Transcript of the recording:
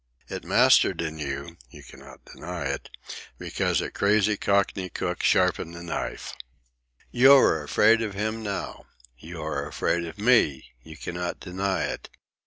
It mastered it in you (you cannot deny it), because a crazy Cockney cook sharpened a knife. "You are afraid of him now. You are afraid of me. You cannot deny it.